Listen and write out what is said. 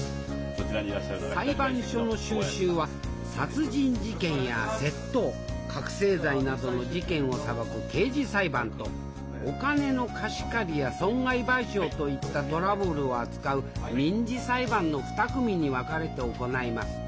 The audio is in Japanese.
裁判所の修習は殺人事件や窃盗覚醒剤などの事件を裁く刑事裁判とお金の貸し借りや損害賠償といったトラブルを扱う民事裁判の２組に分かれて行います。